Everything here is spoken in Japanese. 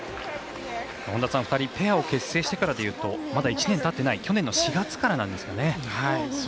本田さん、２人ペアを結成してからでいうとまだ１年たってない去年の４月からなんですよね。